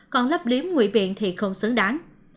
còn lấp liếm nguy biện thì không xứng đáng